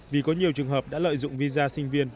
vì có nhiều trường hợp đã lợi dụng visa sinh viên